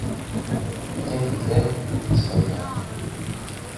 Иртән китә, кис ҡайта...